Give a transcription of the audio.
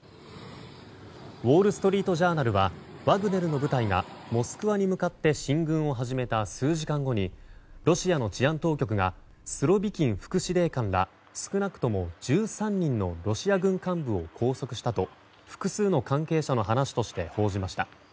ウォール・ストリート・ジャーナルはワグネルの部隊がモスクワに向かって進軍を始めた数時間後にロシアの治安当局がスロビキン副司令官ら少なくとも１３人のロシア軍幹部を拘束したと複数の関係者の話として報じました。